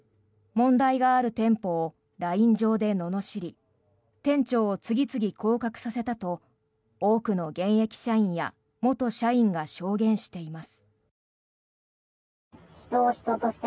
問題がある店舗をＬＩＮＥ上でののしり店長を次々降格させたと多くの現役社員や元社員が証言しています。